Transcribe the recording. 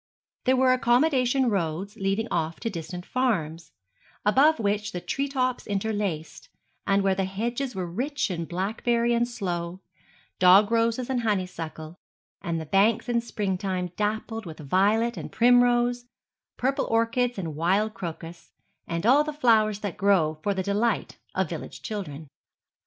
There were accommodation roads leading off to distant farms, above which the tree tops interlaced, and where the hedges were rich in blackberry and sloe, dog roses and honeysuckle, and the banks in spring time dappled with violet and primrose, purple orchids and wild crocus, and all the flowers that grow for the delight of village children.